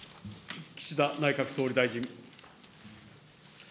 岸田内閣総理大臣。